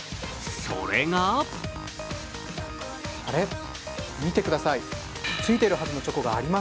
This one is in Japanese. それがあれっ、見てください。